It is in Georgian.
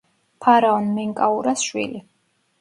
ფარაონ მენკაურას შვილი.